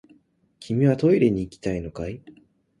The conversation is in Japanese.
君はトイレに行きたいのかい？